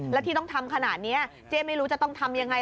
แล้วที่ต้องทำขนาดนี้เจ๊ไม่รู้จะต้องทำยังไง